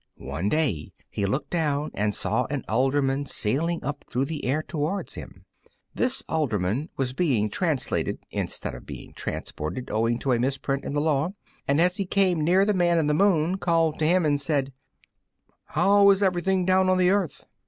One day he looked down and saw an alderman sailing up through the air towards him. This alderman was being translated (instead of being transported, owing to a misprint in the law) and as he came near the Man in the Moon called to him and said, "How is everything down on the earth?"